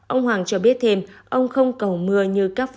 ông hoàng cho biết thêm ông không cầu mưa như các vườn đá